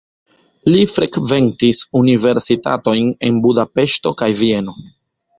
Li frekventis universitatojn en Budapeŝto kaj Vieno.